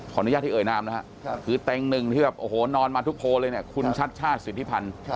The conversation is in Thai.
อนุญาตที่เอ่ยนามนะครับคือเต็งหนึ่งที่แบบโอ้โหนอนมาทุกโพลเลยเนี่ยคุณชัดชาติสิทธิพันธ์